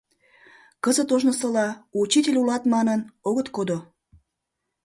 Кызыт ожнысыла, учитель улат манын, огыт кодо.